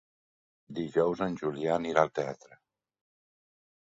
Dijous en Julià anirà al teatre.